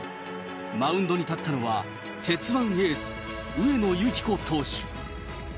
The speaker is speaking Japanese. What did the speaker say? マウンドに立ったのは、鉄腕エース、上野由岐子投手。